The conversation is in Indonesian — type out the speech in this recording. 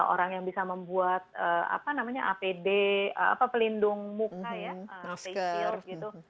orang yang bisa membuat apa namanya apd pelindung muka ya face shield gitu